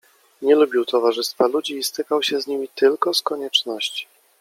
"Nie lubił towarzystwa ludzi i stykał się z nimi tylko z konieczności."